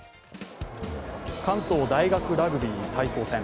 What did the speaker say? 関東大学ラグビー対抗戦。